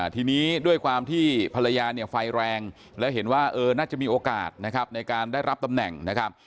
ทีนี้ด้วยความที่ภรรยาไฟแรงและเห็นว่าน่าจะมีโอกาสในการได้รับตำแหน่ง